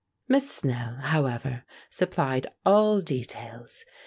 Miss Snell, however, supplied all details.